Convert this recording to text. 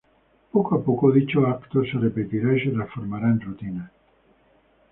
Poco a poco dicho evento se repetirá y se transformará en rutina.